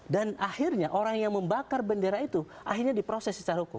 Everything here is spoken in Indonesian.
dan akhirnya orang yang membakar bendera itu akhirnya diproses secara hukum